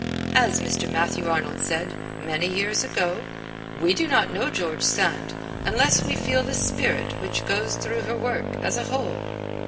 As Mr. Matthew Arnold said, many years ago, 'We do not know George Sand unless we feel the spirit which goes through her work as a whole.'